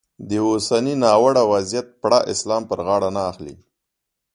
د اوسني ناوړه وضیعت پړه اسلام پر غاړه نه اخلي.